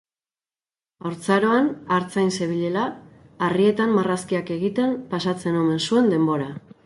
Haurtzaroan, artzain zebilela, harrietan marrazkiak egiten pasatzen omen zuen denbora.